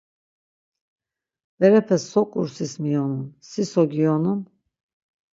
Berepe so ǩursis miyonun, si so giyonun?